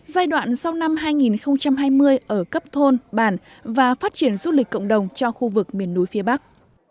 giai đoạn sau năm hai nghìn hai mươi ở cấp thôn bản và phát triển du lịch cộng đồng cho khu vực miền núi phía bắc